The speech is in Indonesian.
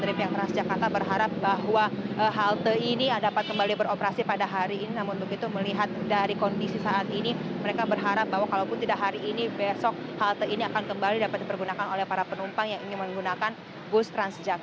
dan juga tidak kembali teringat bahwa ini adalah lokasi